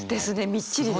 みっちりですね。